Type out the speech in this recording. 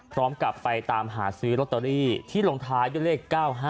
พร้อมกับไปตามหาซื้อลอตเตอรี่ที่ลงท้ายด้วยเลข๙๕